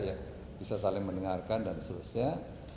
yang bisa saling mendengarkan dan sebagainya